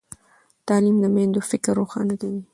تعلیم د میندو فکر روښانه کوي۔